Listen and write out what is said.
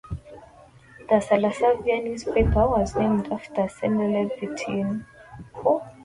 The Sarasaviya newspaper was named after by Seneviratne.